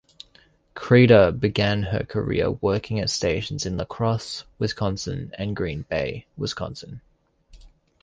Kreiter began her career working at stations in LaCrosse, Wisconsin and Green Bay, Wisconsin.